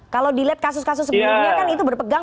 kalau dilihat kasus kasus sebelumnya kan itu berpegang